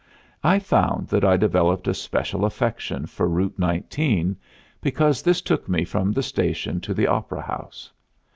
I found that I developed a special affection for Route 19, because this took me from the station to the opera house.